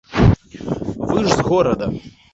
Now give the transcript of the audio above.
Вы ж з горада.